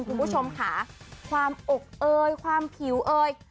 คุณผู้ชมค่ะความอกเอยความผิวเอย